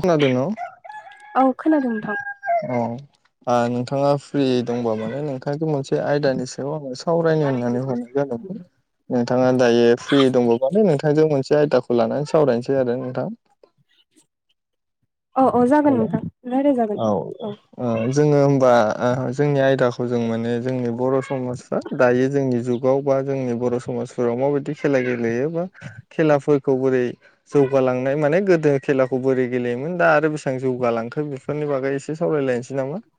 खोनादों हेल न' औ औ खोनादों नोंथां औ नोंथाङा फ्रि दंबा माने नोंथां मोनसे आयदानि सायाव आङो सायाव आंड़ो सावरायनो होननानै हरनाय जादोंमोन नोंथाङा दायो फ्रि दंबा माने नोंथांजों मोनसे आयदाखौ लानानै सावरायनोसै आरो नोंथां औ औ जागोन हेल नोंथां रायज्लाय जागोन औ जोङो होमबा जोंनि आयदाखौ जों माने जोंनि बर' समाजफ्रा दायो जोंनि जुगाव बा जोंनि बर' समाजफोराव माबायदि खेला गेलेयो बा खेलाफोरखौ बोरै जौगालांनाय माने गोदो खेलाखौ बोरै गेलेयोमोन दा आरो बि जौगालांखो बेफोरनि बागै एसे सावरायलायनोसै नामा [unintelligible]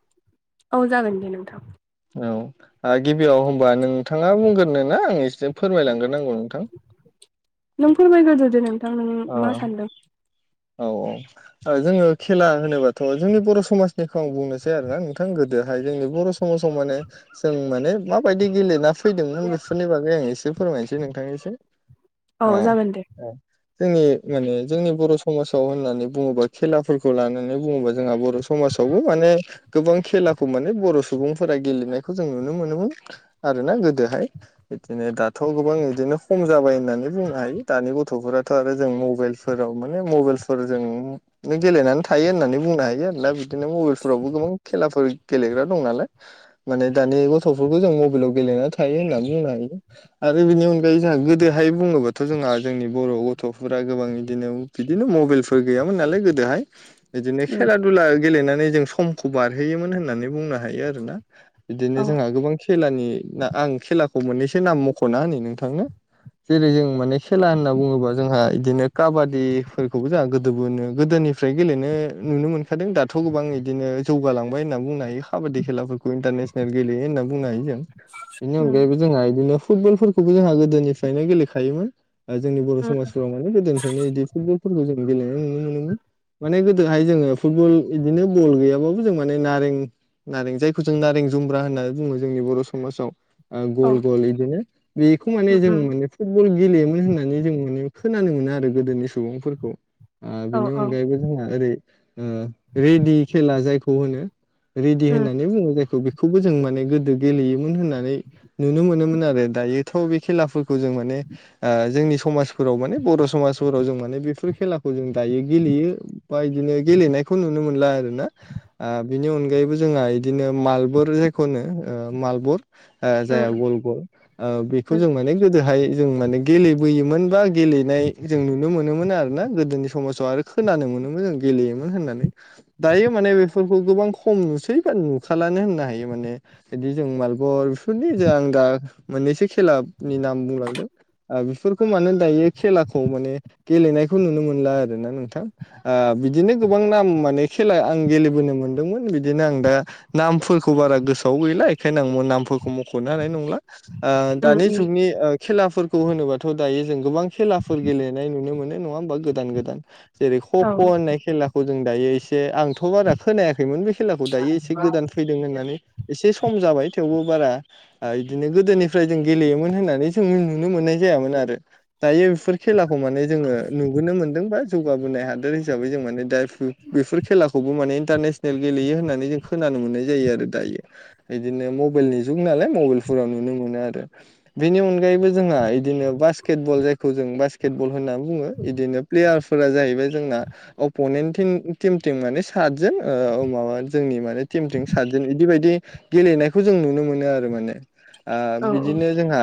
औ जागोन दे नोंथां औ गिबियाव होनबा नोंथाङा बुंग्रोगोन ना आं एसे फोरमायलांग्रोनांगौ नोंथां नों फोरमायग्रोदे नोंथां नों मा सानदों औ औ जोङो खेला होनोबाथ' जोंनि बर' समाजनिखौ आं बुंनोसै आरोना नोंथां गोदोहाय जोंनि बर' समाजाव माने जों माने माबायदि गेलेना फैदोंमोन बेफोरनि बागै आं एसे फोरमायनोसै नोंथांनिसो औ अ जागोन दे जोंनि माने जोंनि बर' समाजाव होननानै बुङोबा खेलाफोरखौ खौ लानानै बुङोबा जोंहा बर' समाजावबो माने गोबां खेलाखौ माने बर' सुबुंफोरा गेलेनायखौ जों नुनो मोनोमोन आरोना गोदोहाय बिदिनो दाथ' गोबां बिदिनो खम जाबाय होननानै बुंनो हायो दानि गथ'फोराथ' आरो जों मबाइल फोराव माने मबाइलफोरजों गेलेनानै थायो होननानै बुंनो हायो आरो दा बिदिनो मबाइलफोरावबो गोबां खेलाफोर गेलेग्रा दं नालाय माने दानि गथ'फोरखौ जों मबाइलाव गेलेना थायो होननानै बुंनो हायो आरो बिनि अनगायै जोंहा गोदोहाय बुङोबाथ' जोंहा जोंनि बर' गथ'फोरा गोबां बिदिनो बिदिनो मबाइलफोर गैयामोन नालाय गोदोहाय बिदिनो उम खेला खेला गेलेनानै जों समखौ बारहोयोमोन होननानै बुंनो हायो आरोना औ बिदिनो जोंहा गोबां खेलानि आं खेलाखौ मोननैसो नाम मख'ना होनि नोंथांनो जेरै जों माने खेला होनना बुङोबा जोंहा बिदिनो काबादिफोरखौबो जोंहा गोदो बोनो गोदोनि निफ्राय गेलेनो नुनो मोनखादों दाथ' गोबां बिदिनो जौगालांबाय होनना बुंनो हायो काबादि खेलाफोरखौ इन्टारनेसनेल गेलेयो होनना बुंनो हायो जों बेनि उम अनगायैबो जोंहा बिदिनो फुटबलफोरखौबो जोंहा गोदोनिफ्रायनो गेलेखायोमोन जोंनि बर' उम समाजफोराव माने गोदोनिफ्रायनो बिदि फुटबलफोरखौ जों गेलेनाय नुनो मोनोमोन माने गोदोहाय जोङो फुटबल बिदिनो बल गैयाबाबो जों माने नारें नारें जायखौ जों नारें जुम्ब्रा होननानै बुङो जोंनि बर' समाजाव औ गल गल बिदिनो बेखौ उम माने जों उम माने फुटबल गेलेयोमोन होननानै जों माने खोनानो मोनो आरो गोदोनि सुबुंफोरखौ औ बिनि औ अनगायै जोंहा ओरै रेदि खेला जायखौ होनो रेडि उम होननानै बुङो जायखौ बेखौबो जों माने गोदो गेलेयोमोन होननानै। नुनो मोनोमोन आरो दायोथ' बे खेलाफोरखौ जों माने जोंनि समाजफोराव माने बर' समाजफोराव जों माने बेफोर खेलाखौ जों दायो। गेलेयो बा बिदिनो गेलेनायखौ नुनो मोनला आरो ना बिनि अनगायैबो जोंहा बिदिनो मालबुर जायखौनो मालबुर जाया उम गले गले बेखौ उम जों माने गोदोहाय जों माने। गेलेबोयोमोन बा गेलेनाय जों नुनो मोनोमोन आरोना गोदोनि समाजाव आरो। खोनानो मोनोमोन जों गेलेयोमोन होननानै दायो माने बेफोरखौ गोबां खम नुसै बा नुखालानो होननो हायो माने बिदि जों मालबेरि बेफोरनि ज आं दा मोननैसो खेलानि नाम बुंलांदों। बेफोरखौ मानो दायो खेलाखौ माने गेलेनायखौ नुनो मोनला आरो ना नों बिदिनो गोबां नाम माने खेला आं गेलेबोनो मोन्दोंमोन बिदिनो आं दा नामफोरखौ बारा गोसोआव गैला बेखायनो आं नामफोरखौ मख'नो हानाय नंला आरो। आ उम दानि उम जुगावनि ओ खेलाफोरखौ होनोबाथ' दायो जों गोबां खेलाफोर गेलेनाय नुनो मोनो नङा होमबा गोदान गोदान। जेरै खक' औ होननाय खेलाखौ जों दायो एसे आंथ' बारा खोनायाखैमोन बे खेलाखौ दायो एसे गोदान फैदों होननानै। एसे सम जाबाय थेवबो बारा इदिनो गोदोनिफ्राय जों गेलेयोमोन होननानै जों नुनो मोननाय जा जायामोन आरो दायो बेफोर खेलाखौ माने जोङो नुबोनो मोनदोंबा। जौगाबोनाय हादोर हिसाबै जों माने दा बेफोर खेला खौबो माने इन्टारनेसनेल गेलेयो होननानै जों खोनानो मोननाय जायो आरो दायो। बिदिनो मबाइलनि जुगाव नालाय मबाइलफोराव नुनो मोनो आरो। बेनि अनगायैबो जोंहा इदिनो बास्केट बल जायखौ जों बास्केट बल होनना बुङो इदिनो प्लेयार फोर जाहैबाय जोंना अपनेन्ट टिमथिं माने सातजन माबा जोंनि माने टिमथिं सातजन बिदि बायदि। गेलेनायखौ जों नुनो मोनो आरो माने औ उम बिदिनो जोंहा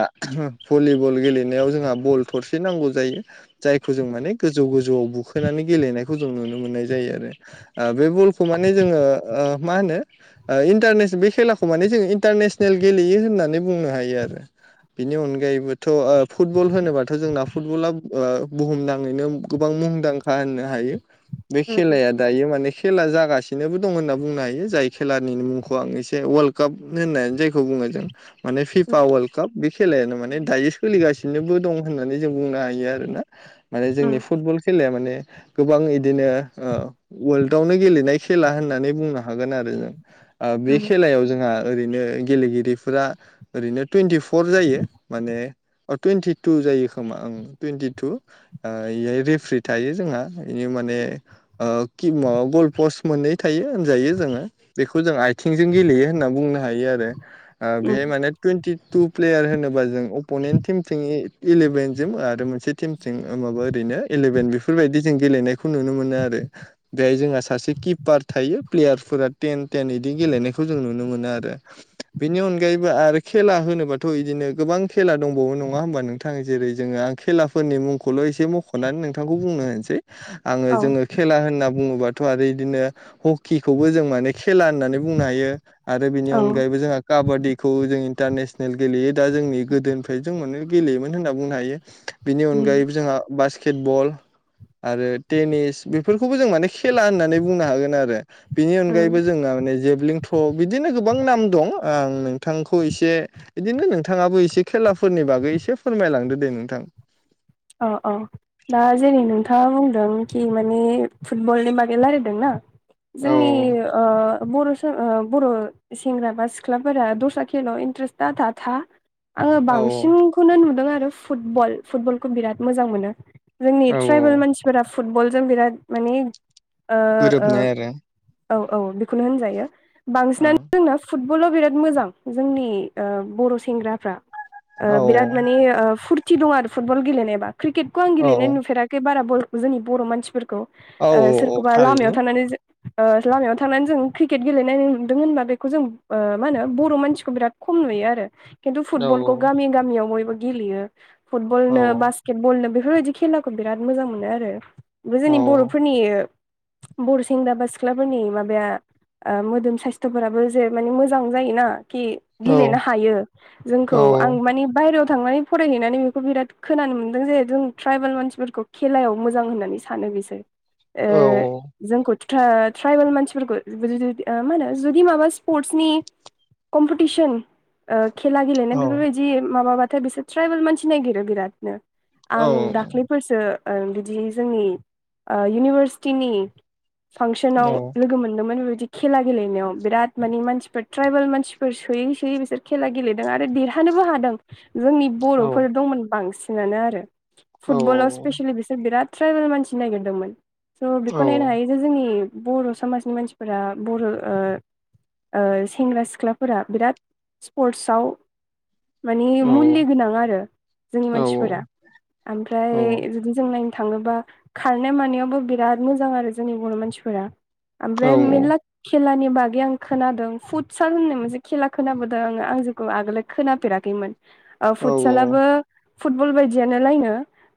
भलिबल गेलेनायाव जोंहा बल थरसे नांगौ जायो। जायखौ जों माने गोजौ गोजौ जौआव बुखोनानै गेलेनायखौ जों नुनो मोननाय जायो आरो। बे बलखौ माने जोङो मा होनो। इन्टारनेस बे खेलाखौ माने जोङो इन्टारनेसनेल गेलेयो होननानै बुंनो हायो। बिनि अनगायैबोथ' फुटबल होनोबाथ' जोंना फुटबला बुहुमनाङैनो। गोबां मुंदांखा होननो हायो बे उम खेलाया दायो माने खेला जागासिनोबो दं होनना बुंनो हायो जाय खेलानि मुंखौ आं एसे वर्ल्ड काप होननानै जायखौ बुङो जों माने फिफा वर्ल्ड काप बे खेलायानो माने दायो सोलिगासिनो दं। फिनोबो दं होननानै जों बुंनो हायो आरो ना माने जोंनि उम फुटबल खेलाया माने गोबां इदिनो ओ वर्ल्डावनो गेलेनाय खेला होननानै बुंनो हागोन आरो। बे उम खेलायाव जोंहा ओरैनो गेलेगिरिफोरा ओरैनो टुइन्टिर फर जायो माने टुइन्टि टु जायो खोमा आं टुइन्टि टु इहाय रेफ्रि थायो जोंहा बिनो माने गल पस्ट मोननै थायो होनजायो जोङो। बेखौ जों आथिंजों गेलेयो होनना बुंनो हायो आरो बेहाय उम माने टुइेन्टि टु प्लेयार होनोबा जों अपनेन्ट टिमथिं इलेभेन जम आरो मोनसे टिमजों जों माबा ओरैनो इलेभेन बेफोरबायदि जों गेलेनायखौ नुनो मोनो आरो। बेहाय जोंहा सासे किपार थायो प्लेयारफोरा टेन टेन बिदि गेलेनायखौ जों नुनो मोनो आरो। बेनि अनगायैबो आरो खेला होनोबाथ' बिदिनो गोबां खेला दंबावो नङा होमबा नोंथाङा जेरै जोङो आं खेलाफोरनि मुंखौल' एसे मख'नानै नोंथांखौ बुंनो होनसै आङो औ जोङो खेला होनना बुङोबाथ' आरो बिदिनो हकिखौबो जों माने खेला होननानै बुंनो हायो। आरो बिनि औ अनगायैबो जों काबादिखौ जों इन्टारनेसनेल गेलेयो दा जोंनि गोदोनिफ्राय जों मोन गेलेयोमोन होनना बुंनो हायो। बिनि उम अनगायैबो जोंहा बास केटबल आरो टेनिस बेफोरखौबो जों माने खेला होननानै बुंनो हागोन आरो। बेनि उम अनगायैबो जोंना माने जेभलिं थ' बिदिनो गोबां नाम दं आं नोंथांखौ एसे बिदिनो नोंथाङाबो एसे खेलाफोरनि बागै एसे फोरमायलांदो दे नोंथां। अ अ। दा जेरै नोंथाङा बुंदों कि माने फुटबलनि बागै रायज्लायदों ना। औ जोंनि बर' बर' सेंग्रा बा सिख्लाफोरा दस्रा खेलाव इन्ट्रेस्टा थ था। आङो औ बांसिनखौनो नुदों आरो फुटबल फुटबलखौ बिराद मोजां मोनो। जोंनि औ ट्राइबेल मानसिफोरा फुटबलजों बिराद माने गोरोबनाय आरो औ औ बेखौनो होनजायो बांसिनानो जोंना फुटबलाव बिराद मोजां जोंनि बर' सेंग्राफ्रा औ बिराद माने फुरथि दं आरो फुटबल गेलेनायबा क्रिकेटखौ आं गेलेनाय औ नुफेराखै। एबारा जोंनि बर' मानसिफोरखौ औ औ सोरखौबा लामायाव थारैनो थानानै। लामायाव थांनानै जों क्रिकेट गेलेनाय नुदों होनबा बेखौ जों मा होनो बर' मानसिखौ बिराद खम नुयो आरो खिन्थु औ फुटबलखौ गामि गामियाव बयबो गेलेयो। बल औ नो बास्केट बलनो बेफोरबायदि खेलाखौ बिराद मोजां मोनो आरो। बे औ जोंनि बर'फोरनि बर' सेंग्रा बा सिख्लाफोरनि माबाया मोदोम साइस्थ'फोराबो जे माने मोजां जायोना खि गेलेनो हायो औ जोंखौ आं माने बायहेरायाव थांनानै फरायहैनानै बेखौ बिराद खोनानो मोनदों जे जों ट्राइबेल मानसिफोरखौ खेलायाव मोजां होननानै सानो बिसोर औ ओ। जोंखौ ट्राइबेल मानसिफोरखौ मा होनो जुदि माबा स्पर्टसनि कम्पिटिसन खेला गेलेनाय बेफोरबायदि माबाबाथाय बिसोर ट्राइबेल मानसि नायगिरो बिरादनो औ आं दाख्लैफोरसो बिदि जोंनि इउनिभारसिटिनि फांसनाव औ लोगो मोनदोंमोन बेबायदि खेला गेलेनायाव बिराद मानि मानसिफोर ट्राइबेल मानसिफोर सोयै सोयै बिसोर खेला गेले आरो देरहानोबो हादों जोंनि बर'फोर दंमोन बांसिनानो आरो फुटबलाव स्पेसिलि बिसोर बिराद ट्राइबेल मानसि ननायागिरदोंमोन स' बेखौ नायनो हायो जे जोंनि बर' समाजनि मानसिफोरा बर' ओ सेंग्रा सिख्लाफोरा बिराद स्पर्टसव मानि मुलि गोनां आरो। जोंनि औ मानसिफोरा औ ओमफ्राय औ जुदि जों नायनो थाङोबा खारनाय मानायावबो बिराद मोजां आरो जोंनि बर' मानसिफोरा औ ओमफ्राय मेरला खेलानि बागै आं खोनादों फुटसाल होननाय मोनसे खेला खोनाबोदों आङो आं जेखौ आगोल खोनाफेराखैमोन। ओ औ फुटसालाबो फुटबल बायदियानो लायनो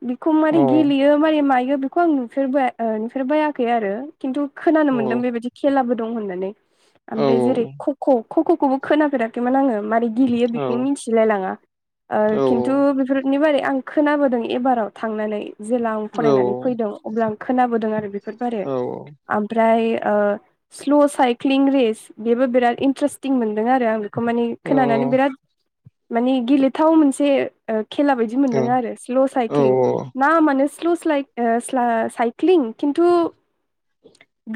बेखौ औ मारै गेलेयो मारै मायो बे खौ आं नुफेरबाय ओ नुफेरबायाखै आरो। खिन्थु खोनानो औ मोन्दों बेबायदि खेलाबो दं होननानै औ ओमफ्राय जेरै ख ख' ख ख'खौबो खोनाफेराखैमोन आङो मारै गेलेयो औ बेखौबो मिथिलाय लाङा औ ओ खिन्थु बेनि बारै आं खोनाबोदों एबाराव थांनानै जेला आं फरायनानै फैदों अब्ला आं खोनाबोदों आरो। बिफोर बारो। औ ओमफ्राय ओ स्ल' साइक्लिं रेस बेबो बिराद इन्टारेस्टिं मोनदों आरो आं। खौ माने खोनानानै बिराद मानि गेलेथाव मोनसे ओ खेला बायदि बिदि मोनदों आरो स्ल' औ साइक्लिं नामानो स्ल' स्लाइ ओ स्ला- साइक्लिं खिन्थु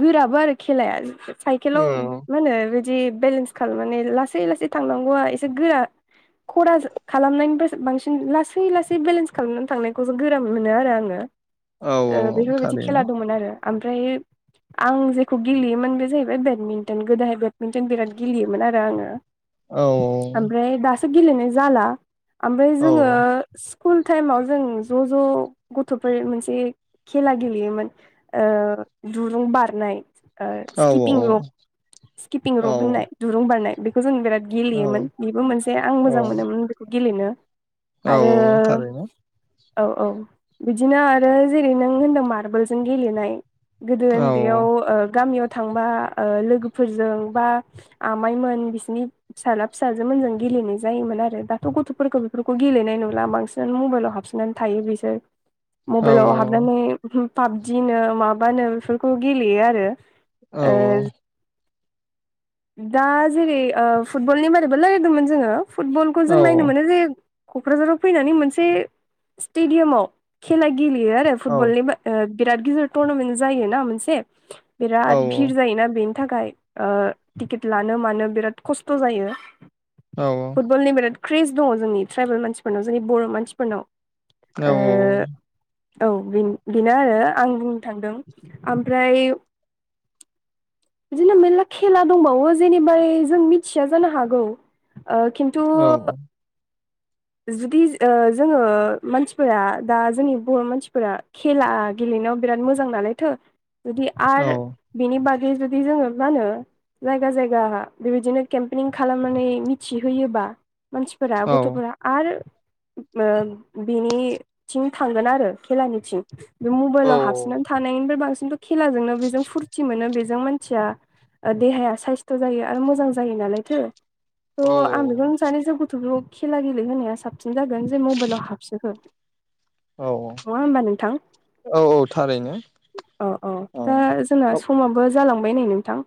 गोराबो आरो खेलाया साइकेलाव मा होनो जि बेलेन्स खालामनानै माने लासै लासै थांनांगौआ एसे गोरा खराज खालामनायनिफायसो बांसिन लासै लासै बेलेन्स खालामनानै थांनायखौसो गोरान मोनो आरो आङो औ ओ बिफोर बायदि थारैनो खेला दंमोन आरो ओमफ्राय आं जेखौ गेलेयोमोन बे जाहैबाय बेदमिन्टन गोदोहाय बेडमिन्टन बिराद गेलेयोमोन आरो आङो औ ओमफ्राय दासो गेलेनाय जाला ओमफ्राय औ जोङो स्कुल टाइमाव जों ज' ज' गथ'फोर मोनसे खेला गेलेयोमोन ओ दुरुं बारनाय ओ औ स्किपिं रप स्किपिं औ रप होननाय दुरुं बारनाय बेखौ जों बिराद गेलेयोमोन बेबो मोनसे आं मोजां मोनोमोन बेखौ गेलेनो औ आरो थारैनो औ औ बिदिनो आरो जेरै नों होनदों मार्बलजों गेलेनाय गोदो औ ओन्दैयाव ओ गामियाव थांबा ओ लोगोफोरजों बा आमाइमोन बिसनि फिसाला फिसाजोमोनजों गेलेनाय जायोमोन आरो दाथ' गथ'फोरखौ फोरखौ गेलेनाय नुला बांसिनानो मबाइलाव हाबसोननानै थायो बिसोर औ मबाइलाव हाब नानै पाबजिनो माबानो बेफोरखौ गेलेयो आरो औ ओ दा जेरै ओ फुटबलनि बारैबो रायलायदोंमोन जोङो फुटबलखौ औ जों नायनो मोनो जे क'क्राझाराव फैनानै मोनसे स्टेडियामाव खेला गेलेयो आरो फुटबलनि ओ बिराद गिदिर टुरनामेन्ट जायोना मोनसे बिराद भिर जायोना बेनि थाखाय ओ टिकेट लानो मानो बिराद खस्थ' जायो औ औ बलनि बिराद क्रेस दङ' जोंनि ट्राइबेल मानसिफोरनाव जोंनि बर' मानसिफोरनाव थारैनो ओ औ बेनो आरो आं बुंनो थांदों ओमफ्राय [inaudible] बिदिनो मेलला खेला दंबावो जेनेबा जों मिथिया जानो हागौ ओ किन थु जुदि जो ओ जोङो मानसिफोरा दा जोंनि बर' मानसिफोरा खेला गेलेनायाव बिराद मोजां नालायथो जुदि आरो बिनि बादै जुदि जोङो मा होनो जायगा जायगा बेबायदिनो केम्पिं खालामनानै मिथिहोयोबा मानसि फोरा गथ'फोरा आरो ओ बिनिथिं थांगोन आरो खेलानिथिं बे मबाइलाव हाबसोननानै थानायनिफ्राय बांसिनथ' खेलाजोंनो बेजों फुरथि मोनो बेजों मानसिया ओ देहाया साइस्थ' जायो आरो मोजां जायो नालायथो थ' आं बेखौनो सानो जे गथ'खौ खेला गेले होनाया साब सिन जागोन जे मबाइलाव हाबसोहो नङा होमबा नोंथां औ औ दा जोंना समाबो जालांबाय नै नोंथां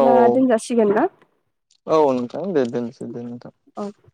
औ दोनजासिगोन ना औ औ नोंथां दे दोनसै दे नोंथां औ